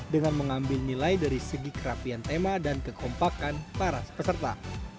dengan mengambil nilai dari segi kerapian tema dan kekompakan para peserta